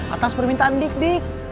atas permintaan dik dik